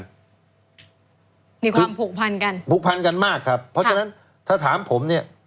มีความผูกพันกันผูกพันกันมากครับเพราะฉะนั้นถ้าถามผมเนี่ย